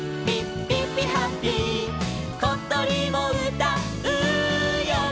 「ことりもうたうよ